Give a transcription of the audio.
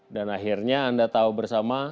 dan akhirnya anda tahu bersama